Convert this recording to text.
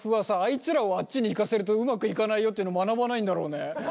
いつらをあっちに行かせるとうまくいかないよっていうの学ばないんだろうね。